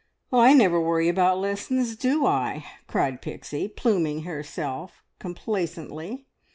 "I never worry about lessons, do I?" cried Pixie, pluming herself complacently.